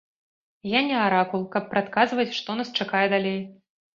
Я не аракул, каб прадказваць, што нас чакае далей.